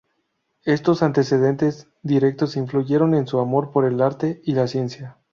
Estos antecedentes directos, influyeron en su amor por el Arte y la Ciencia.